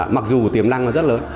mặc dù tiềm năng nó rất lớn